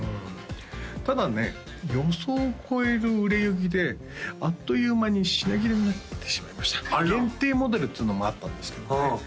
ただね予想を超える売れ行きであっという間に品切れになってしまいました限定モデルっつうのもあったんですけどね